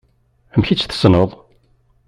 Amek i tt-tessneḍ?